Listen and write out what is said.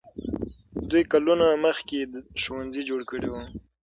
دوی کلونه مخکې ښوونځي جوړ کړي وو.